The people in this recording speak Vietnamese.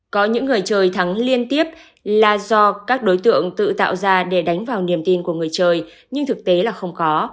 có những người chơi thắng liên tiếp là do các đối tượng tự tạo ra để đánh vào niềm tin của người chơi nhưng thực tế là không có